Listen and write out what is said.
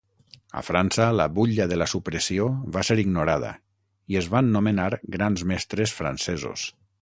A França, la Butlla de la supressió va ser ignorada i es van nomenar Grans Mestres francesos.